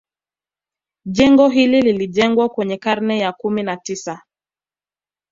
Jengo hili lilijengwa kwenye karne ya kumi na tisa